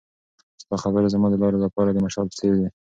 ستا خبرې زما د لارې لپاره د مشال په څېر وې.